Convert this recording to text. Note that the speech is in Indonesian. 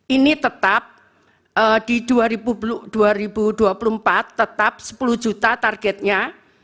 ini tetap di dua ribu dua puluh empat tetap sepuluh juta targetnya